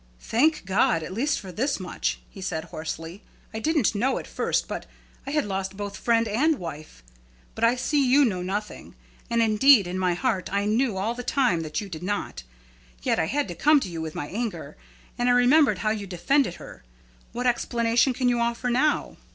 "Thank God at least for this much," he said, hoarsely; "I didn't know at first but I had lost both friend and wife. But I see you know nothing. And indeed in my heart I knew all the time that you did not. Yet I had to come to you with my anger. And I remembered how you defended her. What explanation can you offer now?"